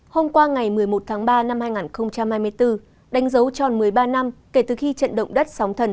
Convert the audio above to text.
hôm qua ngày một mươi một tháng ba năm hai nghìn hai mươi bốn đánh dấu tròn một mươi ba năm kể từ khi trận động đất sóng thần